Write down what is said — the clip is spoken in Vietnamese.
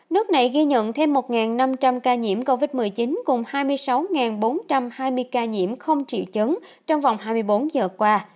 nước này ghi nhận thêm một năm trăm linh ca nhiễm covid một mươi chín cùng hai mươi sáu bốn trăm hai mươi ca nhiễm không triệu chứng trong vòng hai mươi bốn giờ qua